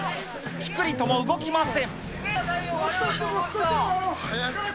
ぴくりとも動きません。